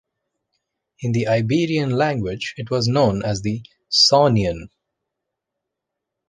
In the Iberian language it was known as "Saunion".